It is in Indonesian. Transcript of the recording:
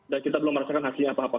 dan kita belum merasakan hasilnya apa apa